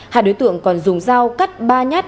hai đối tượng còn dùng dao cắt ba nhát